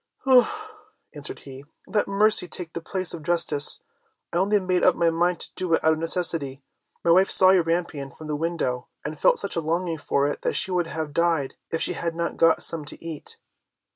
"Ah," answered he, "let mercy take the place of justice, I only made up my mind to do it out of necessity. My wife saw your rampion from the window, and felt such a longing for it that she would have died if she had not got some to eat."